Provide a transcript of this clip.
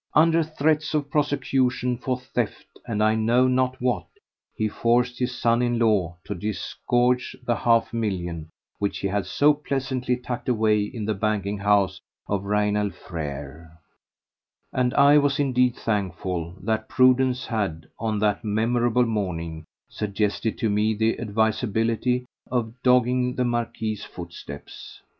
Under threats of prosecution for theft and I know not what, he forced his son in law to disgorge that half million which he had so pleasantly tucked away in the banking house of Raynal Frères, and I was indeed thankful that prudence had, on that memorable morning, suggested to me the advisability of dogging the Marquis's footsteps.